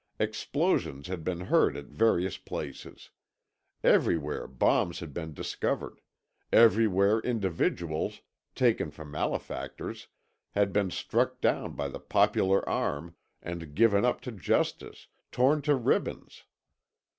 Explosions had been heard at various places; everywhere bombs had been discovered; everywhere individuals, taken for malefactors, had been struck down by the popular arm and given up to justice, torn to ribbons.